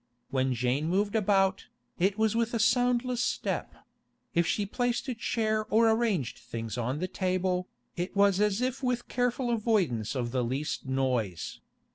When Jane moved about, it was with a soundless step; if she placed a chair or arranged things on the table, it was as if with careful avoidance of the least noise.